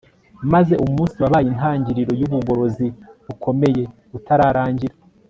maze umunsi wabaye intangiriro yubugorozi bukomeye utararangira